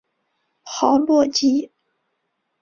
豪洛吉。